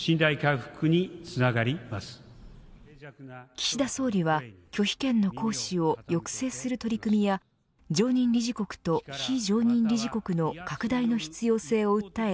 岸田総理は拒否権の行使を抑制する取り組みや常任理事国と非常任理事国の拡大の必要性を訴え